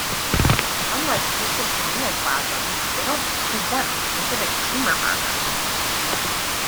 Unlike cystic neoplasms, they don't present specific tumor markers.